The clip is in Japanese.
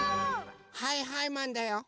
はいはいマンだよ！